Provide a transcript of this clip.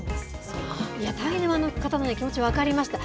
タイ沼の方の気持ち分かりました。